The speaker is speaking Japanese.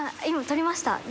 今撮りました。